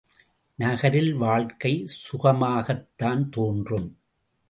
நகரில் வாழ்க்கை சுகமாகத்தான் தோன்றும்.